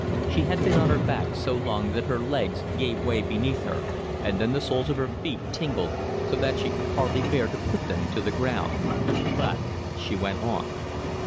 She had been on her back so long that her legs gave way beneath her, and then the soles of her feet tingled so that she could hardly bear to put them to the ground. But she went on.